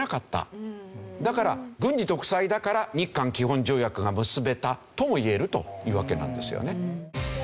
だから軍事独裁だから日韓基本条約が結べたともいえるというわけなんですよね。